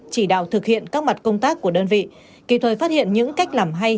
chỉ đạo thực hiện các mặt công tác của đơn vị kịp thời phát hiện những cách làm hay